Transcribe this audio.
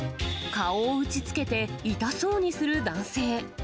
顔を打ちつけて、痛そうにする男性。